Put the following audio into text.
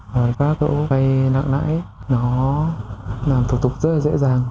và các tổ vay nặng nãi nó làm thủ tục rất là dễ dàng